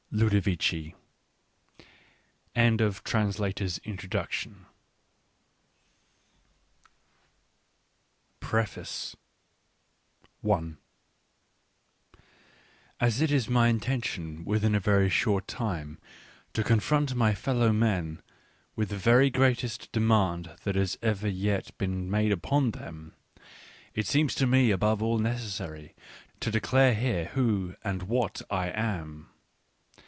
LUDOVICI. Digitized by Google PREFACE As it is my intention within a very short time to confront my fellow men with the very greatest demand that has ever yet been made upon them, it seems to me above all nereqsflry fn rterlflra h*» r p> who and what fl am.